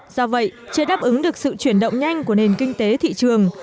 do vậy chưa đáp ứng được sự chuyển động nhanh của nền kinh tế thị trường